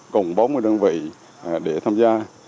cùng bốn mươi đơn vị để tham gia